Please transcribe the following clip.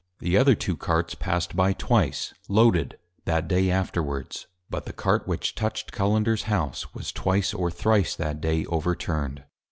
The other Two Carts, passed by Twice, Loaded, that Day afterwards; but the Cart which touched Cullenders House, was Twice or Thrice that Day overturned.